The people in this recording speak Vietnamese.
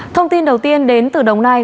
thông tin đầu tiên đến từ đồng nai